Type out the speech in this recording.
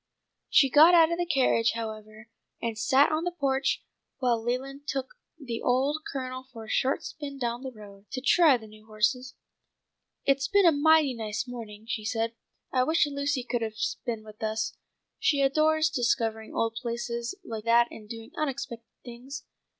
She got out of the carriage, however, and sat on the porch while Leland took the old Colonel for a short spin down the road, to try the new horses. "It's been a mighty nice morning," she said. "I wish Lucy could have been with us. She adores discovering old places like that and doing unexpected things.